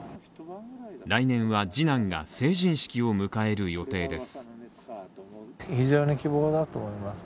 来年は次男が成人式を迎える予定です。